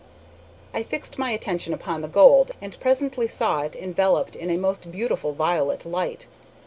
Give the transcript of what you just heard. I fixed my attention upon the gold, and presently saw it enveloped in a most beautiful violet light.